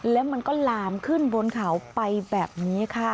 แล้วมันก็ลามขึ้นบนเขาไปแบบนี้ค่ะ